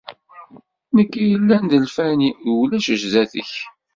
Nekk yellan d lfani, d ulac sdat-k.